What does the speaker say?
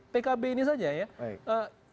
pkb ini saja ya